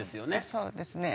そうですね。